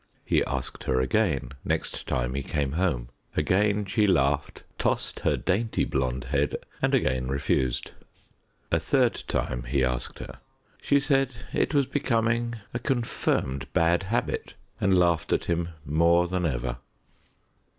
He asked her again next time he came home. Again she laughed, tossed her dainty blonde head, and again refused. A third time he asked her; she said it was becoming a confirmed bad habit, and laughed at him more than ever.